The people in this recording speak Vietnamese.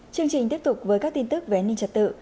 chương trình tiếp tục với các tin tức về an ninh trật tự